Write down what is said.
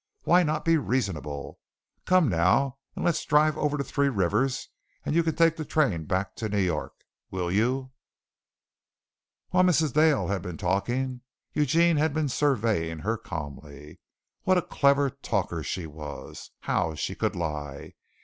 Why not be reasonable? Come now and let's drive over to Three Rivers and you take the train back to New York, will you?" While Mrs. Dale had been talking, Eugene had been surveying her calmly. What a clever talker she was! How she could lie!